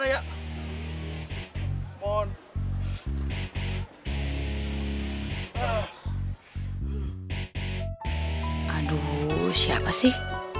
aduh siapa sih